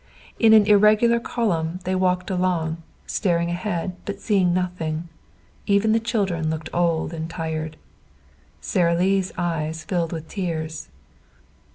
In an irregular column they walked along, staring ahead but seeing nothing. Even the children looked old and tired. Sara Lee's eyes filled with tears.